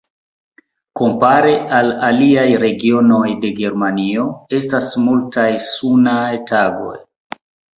Kompare al aliaj regionoj de Germanio estas multaj sunaj tagoj.